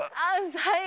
はい。